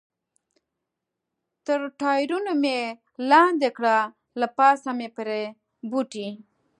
تر ټایرونو مې لاندې کړل، له پاسه مې پرې بوټي.